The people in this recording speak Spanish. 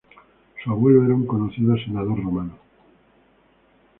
Su abuelo era un conocido senador romano.